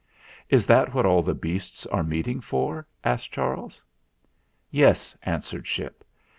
"Is that what all the beasts are meeting for?" asked Charles. "Yes," answered Ship.